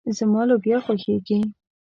زما لوبيا خوښيږي.